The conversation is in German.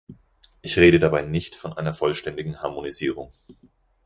Ich rede dabei nicht von einer vollständigen Harmonisierung.